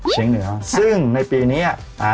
เชียงเหนือซึ่งในปีนี้